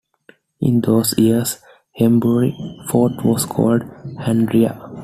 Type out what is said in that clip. In those years Hembury Fort was called Handria.